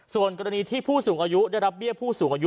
ส่วนกรณีที่ผู้สูงอายุได้รับเบี้ยผู้สูงอายุ